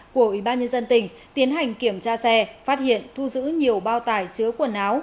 của ủy ban nhân dân tỉnh tiến hành kiểm tra xe phát hiện thu giữ nhiều bao tải chứa quần áo